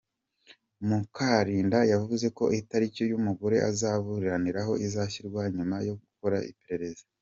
Mukuralinda yavuze ko itariki uyu mugore azaburaniraho izashyirwaho nyuma yo gukora iperereza.